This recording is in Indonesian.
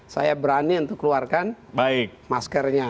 saya berani untuk keluarkan maskernya